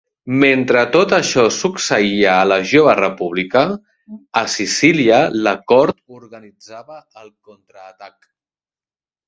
Mentre tot això succeïa a la jove república, a Sicília la cort organitzava el contraatac.